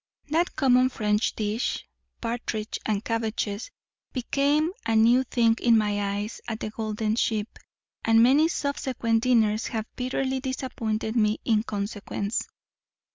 That common French dish, partridge and cabbages, became a new thing in my eyes at the Golden Sheep; and many subsequent dinners have bitterly disappointed me in consequence.